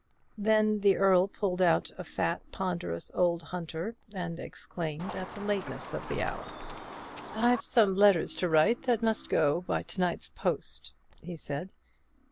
Then the Earl pulled out a fat ponderous old hunter, and exclaimed at the lateness of the hour. "I've some letters to write that must go by to night's post," he said.